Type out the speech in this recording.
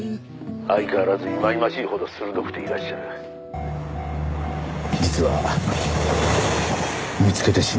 「相変わらずいまいましいほど鋭くていらっしゃる」実は見つけてしまいました。